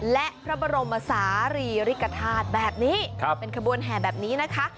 และพระบรมศาลีริกฐาตุแบบนี้เป็นขบวนแห่แบบนี้นะคะ